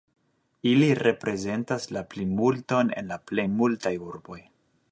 Ili reprezentas la plimulton en la plej multaj urboj.